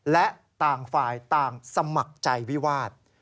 และต่างฝ่ายต่างสมัครใจวิวาส